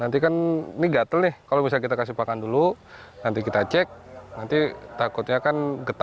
akan dijadikan ikan konsumsi untuk yang akan